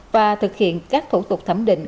và thực hiện các thủ tục thẩm định